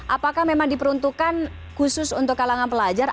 apakah memang diperuntukkan khusus untuk kalangan pelajar